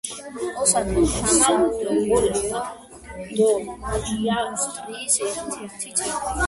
ოსანი ქვეყნის საიუველირო ინდუსტრიის ერთ-ერთი ცენტრია.